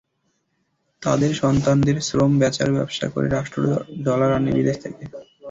তাঁদের সন্তানদের শ্রম বেচার ব্যবসা করে রাষ্ট্র ডলার আনে বিদেশ থেকে।